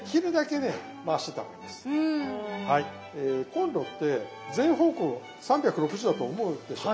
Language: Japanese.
コンロって全方向３６０度だと思うでしょう？